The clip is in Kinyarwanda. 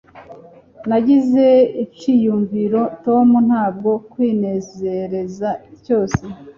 nagize iciyumviro tom ntabwo kwinezereza cyose